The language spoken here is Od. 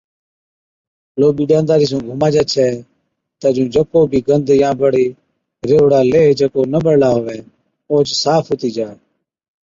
لوٻِي ڏاندارِي سُون گھُماجَي ڇَي تہ جُون جڪو بِي گند يان بڙي ريهوڙا ليه جڪو نہ ٻڙلا هُوَي اوهچ صاف هُتِي جا۔